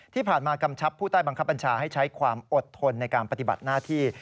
ที่ผ่านมากำชับผู้ใต้บังคับบัญชาให้ใช้ความอดทนในการปฏิบัติหน้าที่